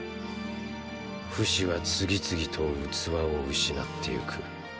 フシは次々と器を失っていく。